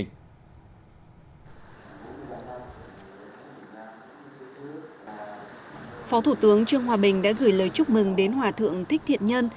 phó thủ tướng trương hòa bình đã gửi lời chúc mừng đến hòa thượng thích thiện nhân